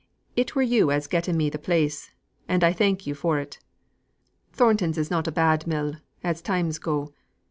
It were you as getten me the place, and I thank yo' for it. Thornton's is not a bad mill, as times go.